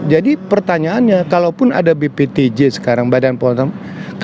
jadi pertanyaannya kalaupun ada bptj sekarang badan pembangunan jabodetabek